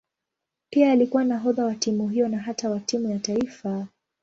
Pia alikuwa nahodha wa timu hiyo na hata wa timu ya taifa.